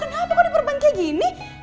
sayang kamu kenapa kok diperban kayak gini